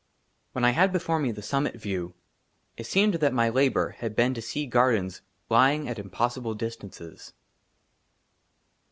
WHEN 1 HAD BEFORE ME THE SUMMIT VIEW, IT SEEMED THAT \lY LABOUR HAD BEEN TO SEE GARDENS LYING AT IMPOSSIBLE DISTANCES.